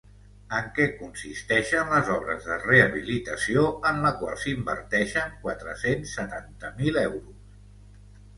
En què consisteixen les obres de rehabilitació en la qual s’inverteixen quatre-cents setanta mil euros?